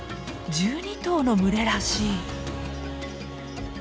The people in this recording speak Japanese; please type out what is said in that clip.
１２頭の群れらしい。